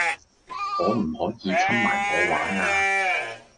可唔可以摻埋我玩呀?